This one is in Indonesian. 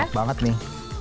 cocok banget nih